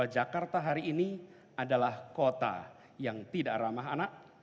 jakarta hari ini adalah kota yang tidak ramah anak